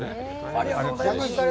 ありがとうございます。